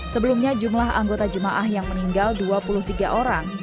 sebelumnya jumlah anggota jemaah yang meninggal dua puluh tiga orang